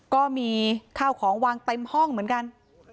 ก็มีข้าวของวางเต็มห้องเหมือนกัน